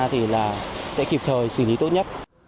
thì sẽ kịp thời xử lý tốt nhất